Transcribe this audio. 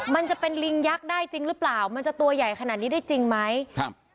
มันจะเป็นลิงยักษ์ได้จริงหรือเปล่ามันจะตัวใหญ่ขนาดนี้ได้จริงไหมครับ